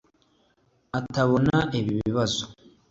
atabona ibi ibibazo